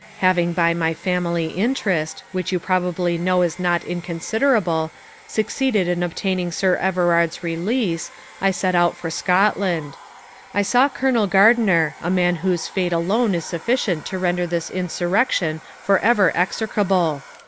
Having by my family interest, which you probably know is not inconsiderable, succeeded in obtaining Sir Everard's release, I set out for Scotland. I saw Colonel Gardiner, a man whose fate alone is sufficient to render this insurrection for ever execrable.